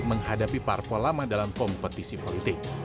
menghadapi parpol lama dalam kompetisi politik